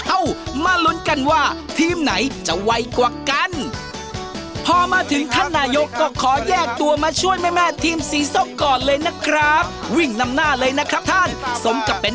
เอามาลุ้นกันว่าทีมไหนจะไวกว่ากัน